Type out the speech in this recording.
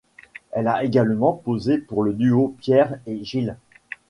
Elle a également posé pour le duo Pierre et Gilles.